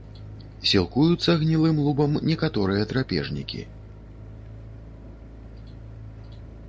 Сілкуюцца гнілым лубам, некаторыя драпежнікі.